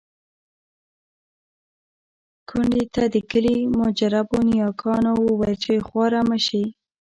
کونډې ته د کلي مجربو نياګانو وويل چې خواره مه شې.